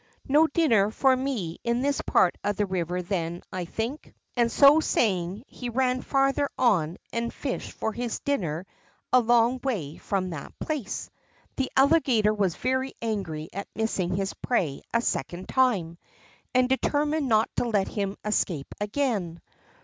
No dinner for me in this part of the river, then, I think." And so saying, he ran farther on and fished for his dinner a long way from that place. The Alligator was very angry at missing his prey a second time, and determined not to let him escape again.